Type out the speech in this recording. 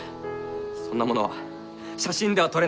そんなものは写真では撮れない。